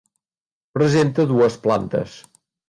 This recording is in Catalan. Presenta dues plantes.